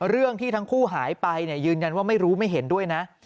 เรื่องที่ทั้งคู่หายไปยืนยันว่าไม่รู้ไม่เห็นด้วยนะ